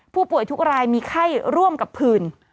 ผู้ป่วยทุกรายมีไข้ร่วมกับผื่น